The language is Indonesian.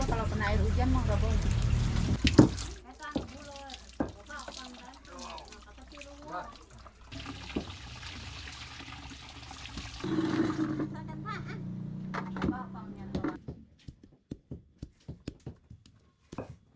air gua kalau kena air hujan mau nggak bawa